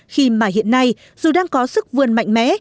khi mà hiện nay dù đang có sức vươn mạnh mẽ